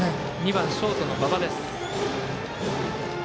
２番ショートの馬場です。